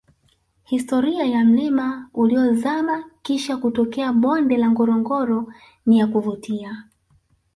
historia ya mlima uliozama Kisha kutokea bonde la ngorongoro ni ya kuvutia